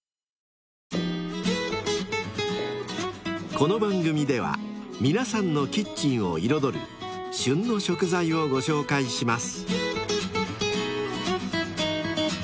［この番組では皆さんのキッチンを彩る「旬の食材」をご紹介します］